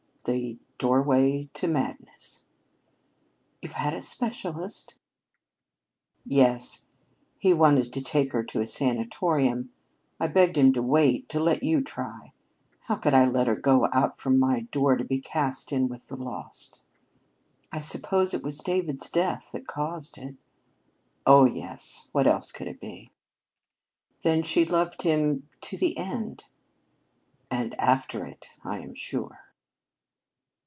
"The doorway to madness." "You've had a specialist?" "Yes. He wanted to take her to a sanatorium. I begged him to wait to let you try. How could I let her go out from my door to be cast in with the lost?" "I suppose it was David's death that caused it." "Oh, yes. What else could it be?" "Then she loved him to the end." "And after it, I am sure."